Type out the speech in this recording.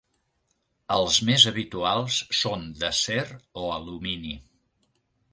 Els més habituals són d'acer o alumini.